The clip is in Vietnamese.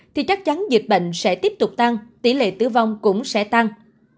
thì chắc chắn dịch bệnh sẽ tiếp tục tăng tỷ lệ tử vong cũng sẽ tăng